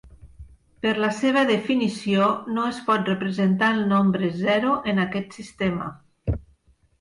Per la seva definició, no es pot representar el nombre zero en aquest sistema.